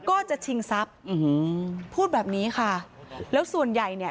ก็จะชิงทรัพย์พูดแบบนี้ค่ะแล้วส่วนใหญ่เนี่ย